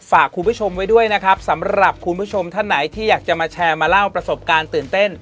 ฝากคุณผู้ชมไว้ด้วยนะครับสำหรับคุณผู้ชมท่านไหนที่อยากจะมาแชร์มาเล่าประสบการณ์ตื่นเต้น